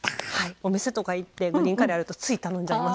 お店とか行ってグリーンカレーあるとつい頼んじゃいます。